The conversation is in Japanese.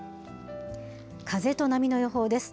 風と波の予報です。